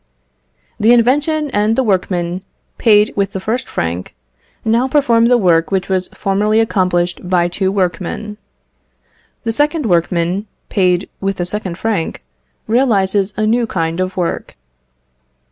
The invention and the workman paid with the first franc, now perform the work which was formerly accomplished by two workmen. The second workman, paid with the second franc, realises a new kind of work.